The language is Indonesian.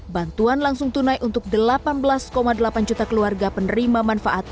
bantuan langsung tunai untuk delapan belas delapan juta keluarga penerima manfaat